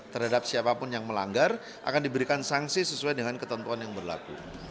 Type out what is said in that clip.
terhadap siapapun yang melanggar akan diberikan sanksi sesuai dengan ketentuan yang berlaku